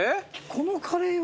このカレーは。